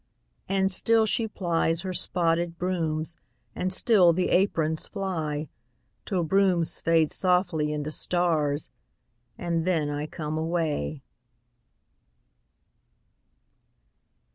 And still she plies her spotted brooms, And still the aprons fly, Till brooms fade softly into stars And then I come away.